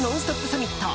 サミット。